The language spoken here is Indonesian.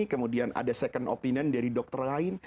kemudian ada second opinion dari dokter lain